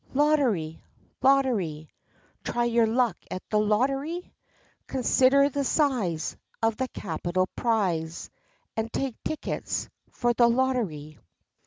"Lottery, lottery, Try your luck at the lottery? Consider the size Of the capital prize, And take tickets For the lottery.